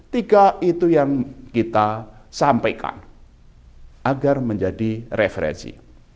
tiga itu yang kita sampaikan agar menjadi referensi